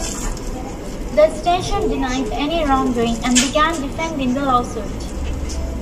The station denied any wrongdoing, and began defending the lawsuit.